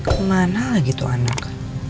kemana lagi tuh anak